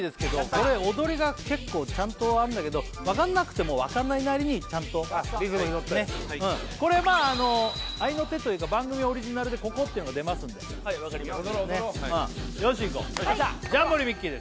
これ踊りが結構ちゃんとあるんだけど分かんなくても分かんないなりにちゃんとあっリズムに乗ってうんこれまああの合いの手というか番組オリジナルでここっていうのが出ますんではい分かりました踊ろう踊ろうよしいこう「ジャンボリミッキー！」